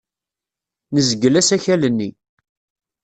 Nezgel asakal-nni.